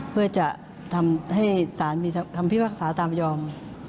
เพื่อจะทำให้ธนายฝ่ายมีคำพิพากษาตามประยอม